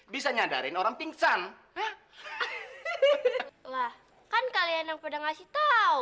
mengadarin orang pingsan hah hehehe wah kan kalian yang pada ngasih tahu